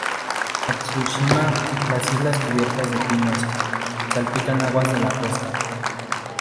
Matsushima, las islas cubiertas de pinos, salpican las aguas de la costa.